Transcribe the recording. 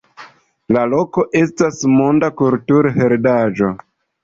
La loko estas monda kulturheredaĵo.